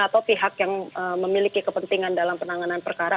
atau pihak yang memiliki kepentingan dalam penanganan perkara